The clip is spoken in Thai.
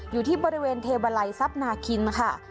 อยู่ที่บริเวณเทวาลัยทรัพย์นาคินค่ะ